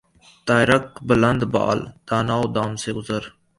طائرک بلند بال دانہ و دام سے گزر